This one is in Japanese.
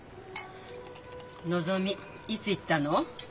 のぞみいつ行ったの？